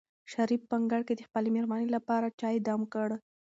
شریف په انګړ کې د خپلې مېرمنې لپاره چای دم کړ.